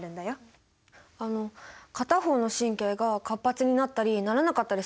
あの片方の神経が活発になったりならなかったりするだけじゃ駄目なんですか？